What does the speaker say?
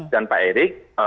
dan pak erik